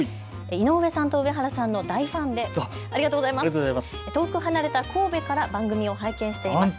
井上さんと上原さんの大ファンで遠く離れた神戸から番組を拝見しています。